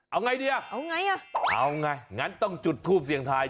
เอาไงดีอ่ะเอาไงอ่ะเอาไงงั้นต้องจุดทูปเสียงทาย